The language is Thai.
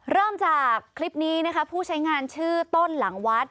เริ่มจากคลิปนี้นะคะผู้ใช้งานชื่อต้นหลังวัด